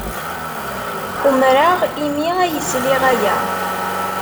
Umreɣ imi ay sliɣ aya.